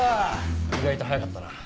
意外と早かったな。